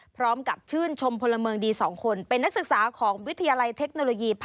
พร้อมกับชื่นชมพลเมิงดีสองคน